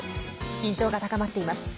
緊張が高まっています。